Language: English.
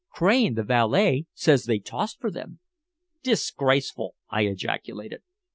Crane, the valet, says they tossed for them." "Disgraceful!" I ejaculated.